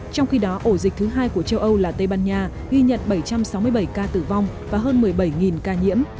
trong khi đó ổ dịch thứ hai của châu âu là tây ban nha ghi nhận bảy trăm sáu mươi bảy ca tử vong và hơn một mươi bảy ca nhiễm